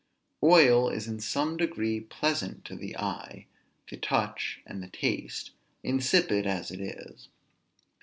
Oil is in some degree pleasant to the eye, the touch, and the taste, insipid as it is.